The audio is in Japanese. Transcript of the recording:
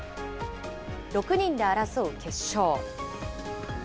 ６人で争う決勝。